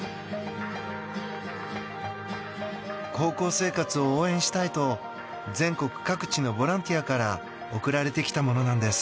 高校生活を応援したいと全国各地のボランティアから送られてきたものなんです。